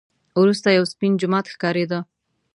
وروسته یو سپین جومات ښکارېده.